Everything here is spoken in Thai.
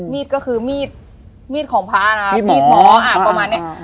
มีดก็คือมีดมีดของพระนะครับมีดหมอประมาณเนี้ย